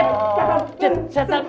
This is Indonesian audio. satar satar satar